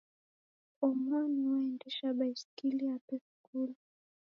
Omoni waendesha baskili yape skulu.